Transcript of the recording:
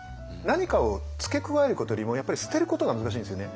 何かを付け加えることよりもやっぱり捨てることが難しいんですよね。